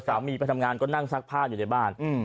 ไปทำงานก็นั่งซักผ้าอยู่ในบ้าน